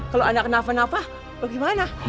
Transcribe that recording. kalau ana kena apa apa bagaimana